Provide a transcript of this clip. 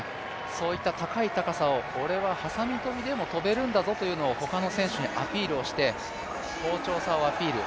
そういった高い高さを、俺ははさみ跳びでも跳べるんだぞと他の選手にアピールをして、好調さをアピール。